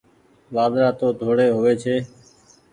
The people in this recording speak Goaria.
وآڌڙآ تو ڌوڙي هووي ڇي۔